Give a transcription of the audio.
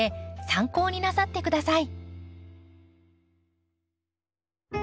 参考になさって下さい。